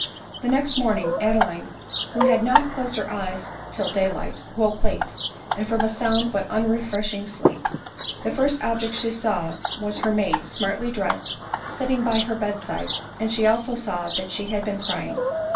The next morning, Adeline, who had not closed her eyes till day light, woke late, and from a sound but un refreshing sleep. , The first object she saw was her maid, smartly dressed, sitting by her bed side ; and she also saw that she had been crying.